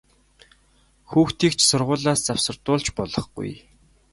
Хүүхдийг ч сургуулиас завсардуулж болохгүй!